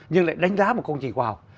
nhưng lại đánh giá một công trình khoa học